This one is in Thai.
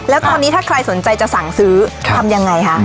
แล้วตอนนี้ถ้าใครสนใจจะสั่งซื้อทำยังไงคะ